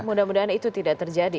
mudah mudahan itu tidak terjadi